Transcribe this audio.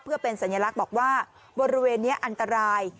เพื่อเป็นสัญลักษณ์บอกว่าบริเวณนี้อันตราย